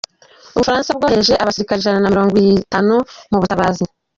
U Bufaransa bwohereje abasirikare ijana namirongwitanu mu butabazi